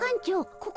ここ